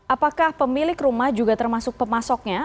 apakah pemilik rumah juga termasuk pemasoknya